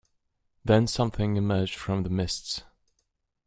Then something emerged from the mists.